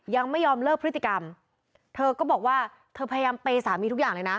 ยังไม่ยอมเลิกพฤติกรรมเธอก็บอกว่าเธอพยายามเปย์สามีทุกอย่างเลยนะ